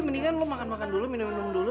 mendingan lu makan makan dulu minum minum dulu